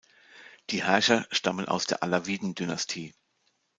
Die Herrscher stammen aus der Alawiden-Dynastie.